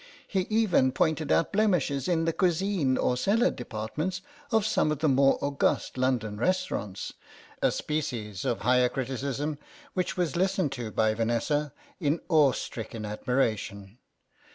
He even pointed out blemishes in the cuisine or cellar departments of some of the more august London restaurants, a species of Higher Criticism which was listened to CROSS CURRENTS loi by Vanessa in awe stricken admiration.